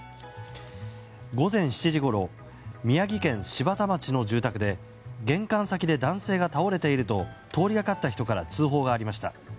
午前７時ごろ宮城県柴田町の住宅で玄関先で男性が倒れていると通りがかった人から通報がありました。